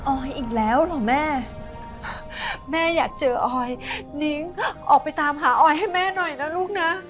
อีกแล้วเหรอแม่แม่อยากเจอออยนิ้งออกไปตามหาออยให้แม่หน่อยนะลูกนะ